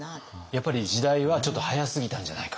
やっぱり時代はちょっと早すぎたんじゃないか。